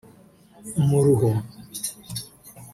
umuruho